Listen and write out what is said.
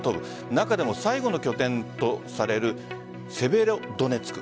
中でも最後の拠点とされるセベロドネツク。